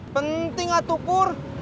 penting atuh buar